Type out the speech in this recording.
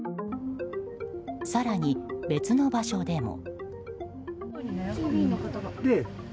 更に、別の場所でも。